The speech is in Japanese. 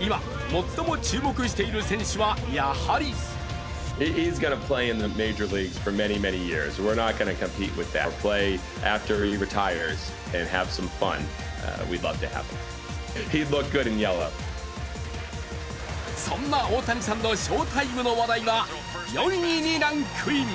今、最も注目している選手はやはりそんな大谷さんの翔タイムの話題が、４位にランクイン。